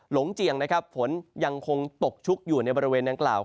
หลงเจียงนะครับฝนยังคงตกชุกอยู่ในบริเวณดังกล่าว